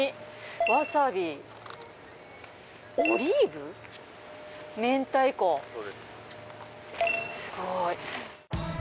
わさび、オリーブ、明太子、すごい。